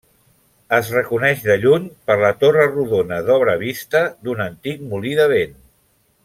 Es reconeix de lluny per la torre rodona d'obra vista d'un antic molí de vent.